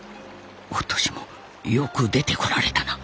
お敏もよく出てこられたな。